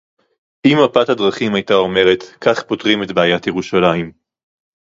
אם מפת הדרכים היתה אומרת: כך פותרים את בעיית ירושלים